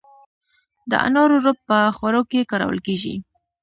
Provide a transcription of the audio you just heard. د انارو رب په خوړو کې کارول کیږي.